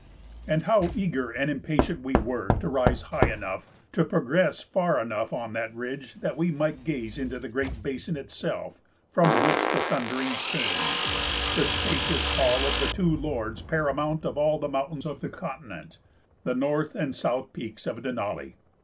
And how eager and impatient we were to rise high enough, to progress far enough on that ridge that we might gaze into the great basin itself from which the thunderings came, the spacious hall of the two lords paramount of all the mountains of the continent the north and south peaks of Denali!